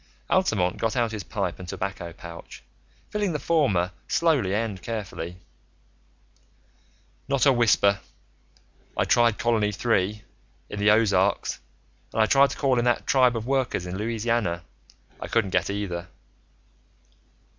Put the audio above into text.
Altamont got out his pipe and tobacco pouch, filling the former slowly and carefully. "Not a whisper. I tried Colony Three, in the Ozarks, and I tried to call in that tribe of workers in Louisiana. I couldn't get either."